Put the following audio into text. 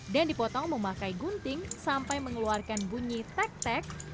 dan dipotong memakai gunting sampai mengeluarkan bunyi tek tek